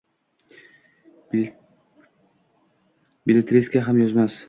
Belletristika ham yozmas?